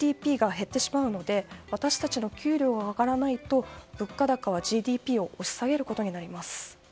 ＧＤＰが減ってしまうので私たちの給料が上がらないと物価高はＧＤＰを押し下げることになります。